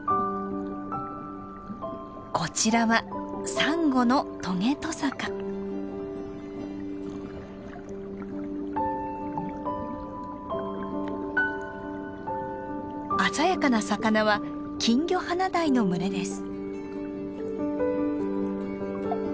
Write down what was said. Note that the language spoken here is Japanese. こちらはサンゴの鮮やかな魚はキンギョハナダイの群れです。